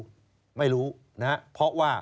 เพราะว่ามันเป็นขั้นตอน